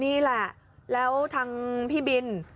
นี่แหละแล้วทางพี่บิน